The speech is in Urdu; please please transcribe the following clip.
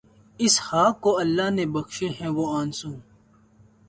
اس خاک کو اللہ نے بخشے ہیں وہ آنسو